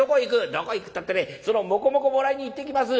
「どこへ行くったってねそのもこもこもらいに行ってきます」。